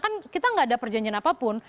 kan kita nggak ada perjanjian apapun